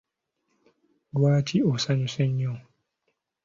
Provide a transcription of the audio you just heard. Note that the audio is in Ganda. Lwaki osanyuse nnyo?